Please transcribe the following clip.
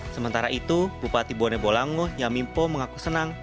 sementara itu bupati bone bolango yamimpo mengaku senang